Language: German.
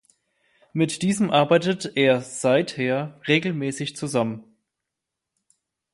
Mit diesem arbeitet er seither regelmäßig zusammen.